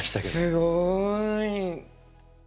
すごい。